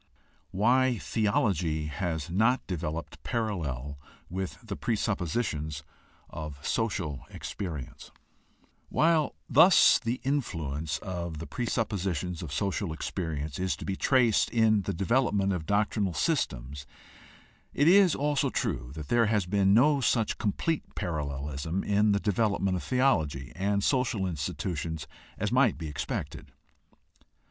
WHY THEOLOGY HAS NOT DEVELOPED PARALLEL WITH THE PRESUPPOSITIONS OF SOCIAL EXPERIENCE While thus the influence of the presuppositions of social experience is to be traced in the development of doctrinal systems, it is also true that there has been no such complete parallelism in the development of theology and social insti tutions as might be expected.